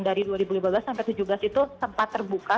dari dua ribu lima belas sampai dua ribu tujuh belas itu sempat terbuka